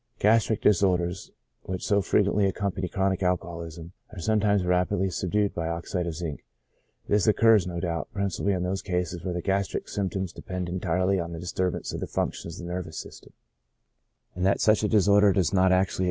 Gastric disorders, which so frequently accompany chronic alcoholism, are sometimes rapidly subdued by oxide of zinc ; this occurs, no doubt, principally in those cases where the gastric symp toms depend entirely on the disturbance of the functions of the nervous system j and that such a disorder does actually lOO CHRONIC ALCOHOLISM.